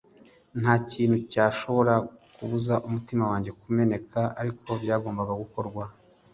ntakintu cyashoboraga kubuza umutima wanjye kumeneka, ariko byagombaga gukorwa